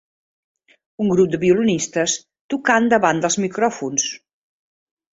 Un grup de violinistes tocant davant dels micròfons.